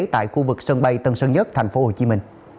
tại khu vực sân bay tân sơn nhất tp hcm